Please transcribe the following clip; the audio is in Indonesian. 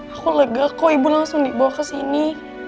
aku lega kok ibu langsung dibawa kesini